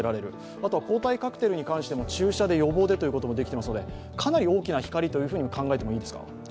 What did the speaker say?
あとは抗体カクテルに対しても、注射で予防でということもありますので、かなり大きな光と考えてもいいですか？